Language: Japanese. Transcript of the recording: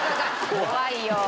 怖いよ。